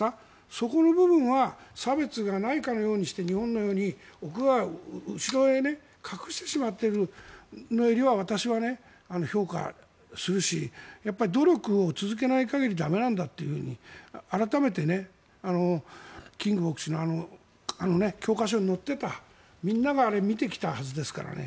そこの部分は差別がないかのようにして日本のように後ろへ隠してしまっているよりは私は評価するし努力を続けない限り駄目なんだと改めてキング牧師の教科書に載っていたみんなが見てきたはずですから。